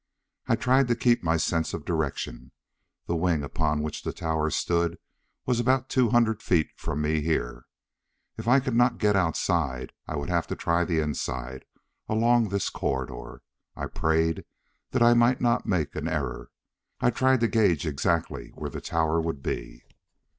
I tried to keep my sense of direction. The wing upon which the tower stood was about two hundred feet from me here. If I could not get outside I would have to try the inside, along this corridor. I prayed that I might not make an error. I tried to gauge exactly where the tower would be.